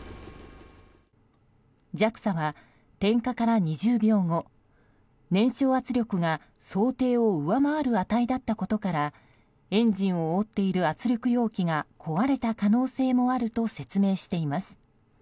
ＪＡＸＡは点火から２０秒後燃焼圧力が想定を上回る値だったことからエンジンを覆っている圧力容器が壊れた可能性もあると説明しています。